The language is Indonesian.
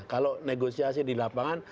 kalau negosiasi di lapangan